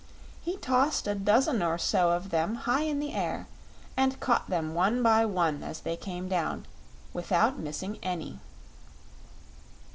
He tossed a dozen or so of them high in the air and caught them one by one as they came down, without missing any.